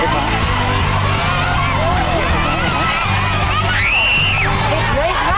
ลูกตกแล้วทำเยินไปแล้ว